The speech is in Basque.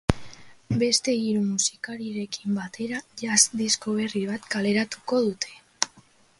Beste hiru musikarirekin batera jazz disko berri bat kaleratuko dute.